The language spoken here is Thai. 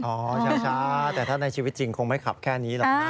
ช้าแต่ถ้าในชีวิตจริงคงไม่ขับแค่นี้หรอกนะ